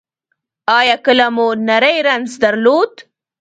ایا کله مو نری رنځ درلود؟